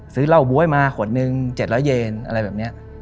ซื้อเหล้าบ๊วยมาขวดหนึ่ง๗๐๐เยนอะไรแบบนี้